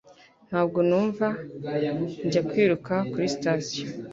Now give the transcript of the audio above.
Ntabwo numva njya kwiruka kuri sitasiyo.